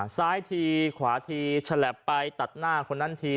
ซ้ายทีขวาทีฉลับไปตัดหน้าคนนั้นที